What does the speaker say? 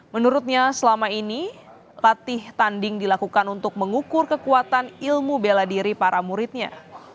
menurutnya selama ini latih tanding dilakukan untuk mengukur kekuatan ilmu bela diri para muridnya